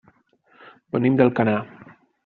Venim d'Alcanar.